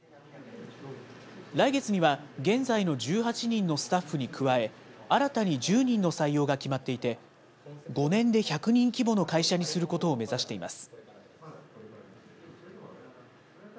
来月には、現在の１８人のスタッフに加え、新たに１０人の採用が決まっていて、５年で１００人規模の会社にすることを目指しています。